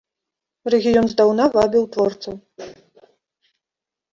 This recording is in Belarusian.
Рэгіён здаўна вабіў творцаў.